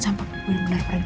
sampai bener bener pergi